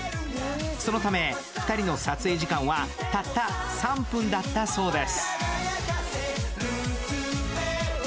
そのため２人の撮影時間はたった３分だったそうです。